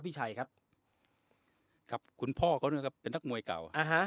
พี่ชัยครับครับคุณพ่อเขาด้วยครับเป็นนักมวยเก่าอ่าฮะ